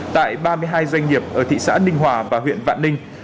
tại ba mươi hai doanh nghiệp ở thị xã ninh hòa và huyện vạn ninh